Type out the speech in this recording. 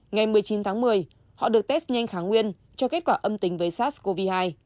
ngày một mươi chín tháng một mươi họ được test nhanh kháng nguyên cho kết quả âm tính với sars cov hai